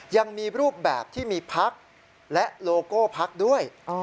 ยังมีรูปแบบที่มีพักและโลโก้พักด้วย